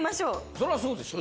そりゃそうでしょ。